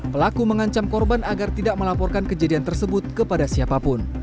pelaku mengancam korban agar tidak melaporkan kejadian tersebut kepada siapapun